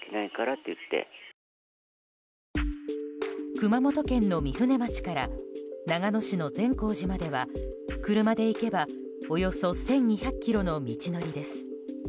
熊本県の御船町から長野市の善光寺までは車で行けばおよそ１２００ｋｍの道のりです。